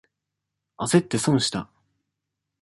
あせって損した。